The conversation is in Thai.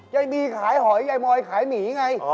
ยายบีขายหอยยายมอยขายหมีไง